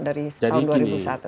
dari tahun dua ribu satu